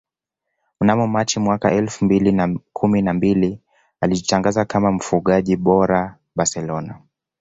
Mnamo Machi mwaka elfu mbili na kumi na mbili alijitangaza kama mfungaji bora Barcelona